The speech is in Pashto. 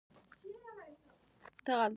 په افغانستان کې د خاوره تاریخ اوږد دی.